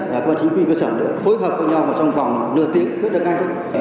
và chính quyền cơ sở nữa phối hợp với nhau vào trong vòng nửa tiếng hết được ngay thôi